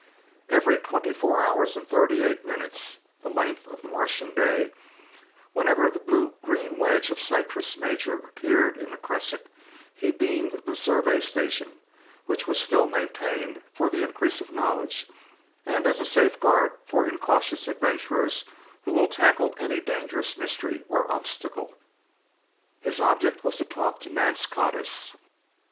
Every twenty four hours and thirty eight minutes the length of the Martian day whenever the blue green wedge of Syrtis Major appeared in the crescent, he beamed the Survey Station, which was still maintained for the increase of knowledge, and as a safeguard for incautious adventurers who will tackle any dangerous mystery or obstacle. His object was to talk to Nance Codiss.